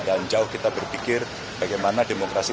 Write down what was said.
dan jauh kita berpikir bagaimana demokrasi